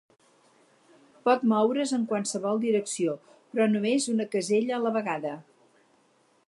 Pot moure's en qualsevol direcció però només una casella a la vegada.